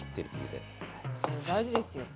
でも大事ですよ。